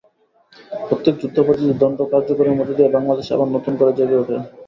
প্রত্যেক যুদ্ধাপরাধীর দণ্ড কার্যকরের মধ্য দিয়ে বাংলাদেশ আবার নতুন করে জেগে ওঠে।